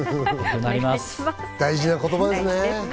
大事な言葉ですね。